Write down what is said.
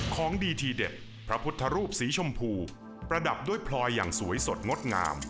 ของดีทีเด็ดพระพุทธรูปสีชมพูประดับด้วยพลอยอย่างสวยสดงดงาม